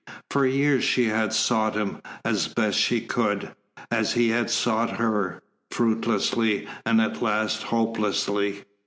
For years she had sought him, as best she could, as he had sought her, fruitlessly and at last hopelessly.